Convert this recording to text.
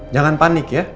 jangan panik ya